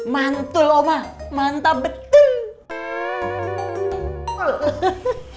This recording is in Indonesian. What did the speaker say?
mantul omah mantap betul